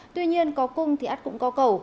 tuy nhiên có cung thì át cũng có cầu